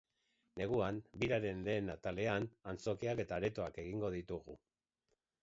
Neguan, biraren lehen atalean, antzokiak eta aretoak egingo ditugu.